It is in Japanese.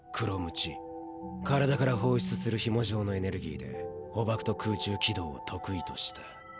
身体から放出するヒモ状のエネルギーで捕縛と空中機動を得意とした。